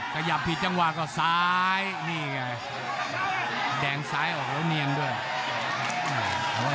ขยับผิดจังหวะก็ซ้ายนี่ไงแดงซ้ายออกแล้วเนียนด้วย